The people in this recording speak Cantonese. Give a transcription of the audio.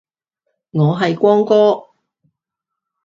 我嘅光哥